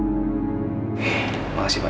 terima kasih pak